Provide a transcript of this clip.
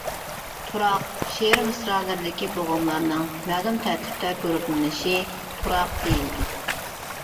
تۇراق شېئىر مىسرالىرىدىكى بوغۇملارنىڭ مەلۇم تەرتىپتە گۇرۇپپىلىنىشى تۇراق دېيىلىدۇ.